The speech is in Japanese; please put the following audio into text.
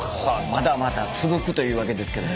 まだまだ続くというわけですけれども。